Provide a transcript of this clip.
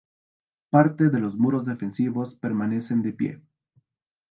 Parte de los muros defensivos permanecen de pie.